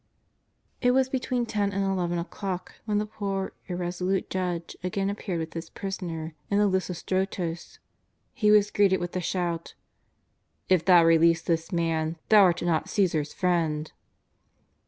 It was between ten and eleven o'clock when the poor, irresolute judge again appeared with his Prisoner in the Lithostrotos. He was greeted with the shout :'^ If thou release this Man, thou art not Caesar's friend."